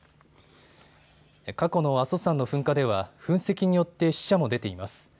過去の阿蘇山の噴火では噴石によって死者も出ています。